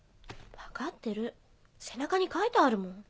分かってる背中に書いてあるもん。